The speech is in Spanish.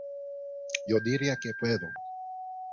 Yo diría que pedo.